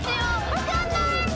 分かんない。